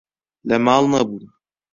لە ماڵ نەبوون.